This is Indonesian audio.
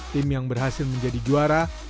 tim yang berhasil menjadi juara